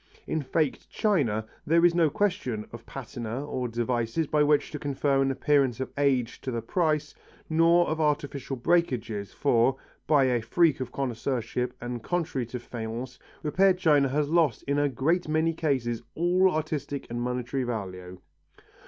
In faked china there is no question of patina or devices by which to confer an appearance of age to the piece, nor of artificial breakages for, by a freak of connoisseurship and contrary to faience, repaired china has lost in a great many cases all artistic and monetary value.